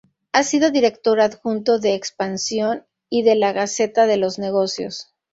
Ha sido director adjunto de "Expansión" y de "La Gaceta de los Negocios".